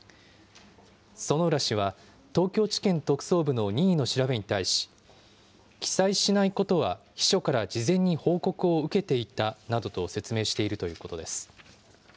薗浦氏は、東京地検特捜部の任意の調べに対し、記載しないことは秘書から事前に報告を受けていたなどと説明しているということです。